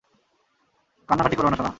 কান্নাকাটি করো না, সোনা!